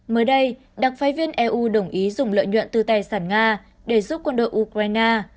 mới đây đặc phái viên eu đồng ý dùng lợi nhuận từ tài sản nga để giúp quân đội ukraine